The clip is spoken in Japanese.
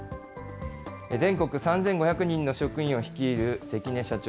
全国３５００人の職員を率いる関根社長。